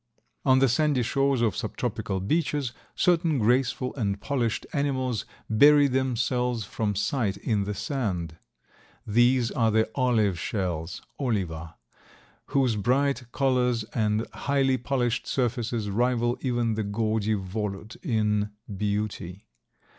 On the sandy shores of subtropical beaches certain graceful and polished animals bury themselves from sight in the sand. These are the olive shells (Oliva) whose bright colors and highly polished surfaces rival even the gaudy Volute in beauty.